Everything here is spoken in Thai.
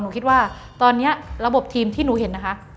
คิดว่าตอนนี้ระบบทีมที่หนูเห็นนะคะ